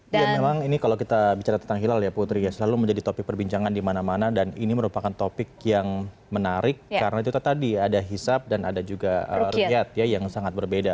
iya memang ini kalau kita bicara tentang hilal ya putri selalu menjadi topik perbincangan di mana mana dan ini merupakan topik yang menarik karena itu tadi ada hisap dan ada juga rukyat ya yang sangat berbeda